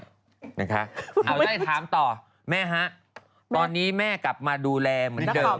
เอาได้ถามต่อแม่ฮะตอนนี้แม่กลับมาดูแลเหมือนเดิม